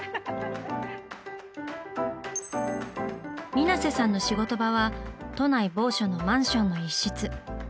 水瀬さんの仕事場は都内某所のマンションの一室。